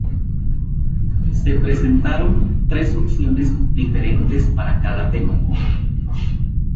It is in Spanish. Se presentaron tres opciones diferentes para cada tema.